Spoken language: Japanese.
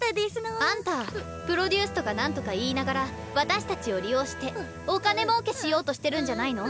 あんたプロデュースとかなんとか言いながら私たちを利用してお金儲けしようとしてるんじゃないの？